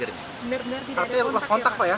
benar benar tidak ada kontak ya